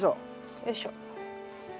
よいしょ。